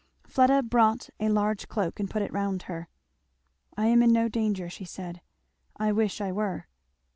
Fleda brought a large cloak and put it round her. "I am in no danger," she said, "I wish I were!"